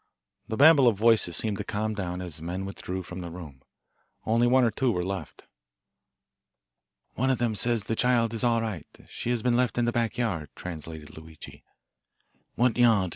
The babel of voices seemed to calm down as men withdrew from the room. Only one or two were left. "One of them says the child is all right. She has been left in the back yard," translated Luigi. "What yard?